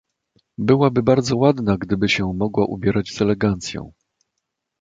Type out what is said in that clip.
"byłaby bardzo ładna, gdyby się mogła ubierać z elegancją."